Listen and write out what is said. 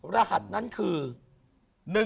รหัสนั้นคือ